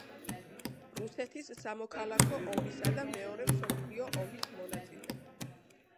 რუსეთის სამოქალაქო ომისა და მეორე მსოფლიო ომის მონაწილე.